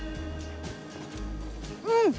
うん！